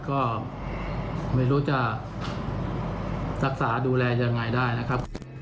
ก็ไม่รู้จะศักดิ์สร้างดูแลอย่างไรได้นะครับ